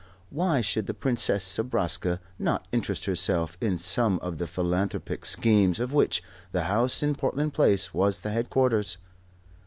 Why should the Princess Zobraska not interest herself in some of the philanthropic schemes of which the house in Portland Place was the headquarters?